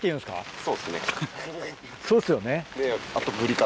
そうですよね。